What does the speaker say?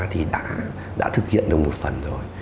thì đã thực hiện được một phần rồi